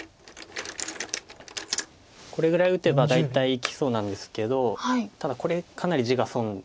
これぐらい打てば大体生きそうなんですけどただこれかなり地が損。